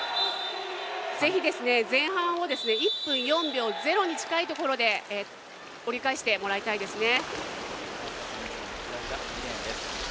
ぜひ前半を１分４秒０に近いとところで折り返してもらいたいですね。